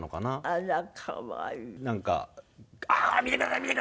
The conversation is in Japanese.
あら可愛い！